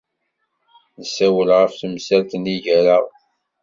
Nessawel ɣef temsalt-nni gar-aɣ.